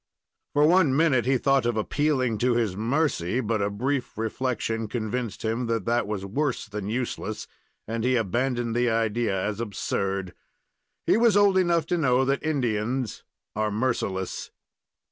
For one minute he thought of appealing to his mercy, but a brief reflection convinced him that that was worse than useless, and he abandoned the idea as absurd. He was old enough to know that Indians are merciless.